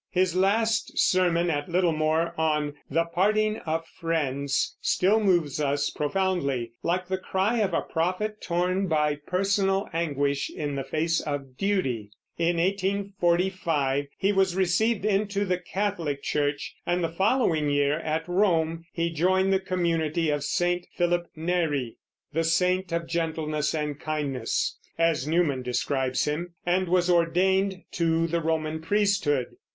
His last sermon at Littlemore on "The Parting of Friends" still moves us profoundly, like the cry of a prophet torn by personal anguish in the face of duty. In 1845 he was received into the Catholic church, and the following year, at Rome, he joined the community of St. Philip Neri, "the saint of gentleness and kindness," as Newman describes him, and was ordained to the Roman priesthood.